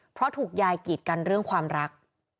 เพราะถูกยายกีดกันเรื่องความรัก